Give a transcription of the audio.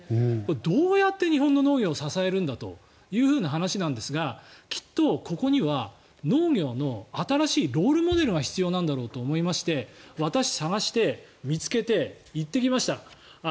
どうやって日本の農業を支えるのかという話なんですがきっとここには農業の新しいロールモデルが必要なんだろうと思いまして私、探して、見つけて行ってきました。